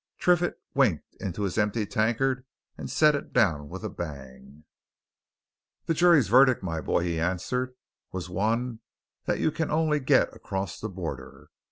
Triffitt winked into his empty tankard and set it down with a bang. "The jury's verdict, my boy," he answered, "was one that you can only get across the Border.